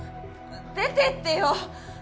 出てってよ！